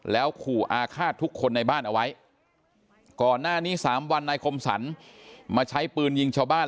แล้วขู่อาฆาตทุกคนในบ้านเอาไว้ก่อนหน้านี้๓วันนายคมสรรมาใช้ปืนยิงชาวบ้าน